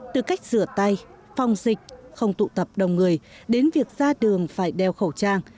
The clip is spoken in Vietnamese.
từ cách sửa tay phòng dịch không tụ tập đồng người đến việc ra đường phải đeo khẩu trang